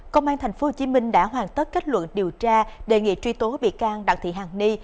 công an tp hcm đã hoàn tất kết luận điều tra đề nghị truy tố bị can đặng thị hàng ni